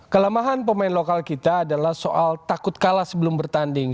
kelemahan pemain lokal kita adalah soal takut kalah sebelum bertanding